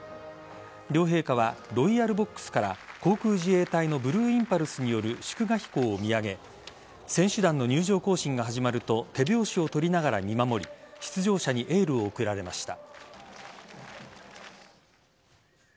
両陛下はロイヤルボックスから航空自衛隊のブルーインパルスによる祝賀飛行を見上げ選手団の入場行進が始まると手拍子を取りながら見守り出場者にエールを送られました。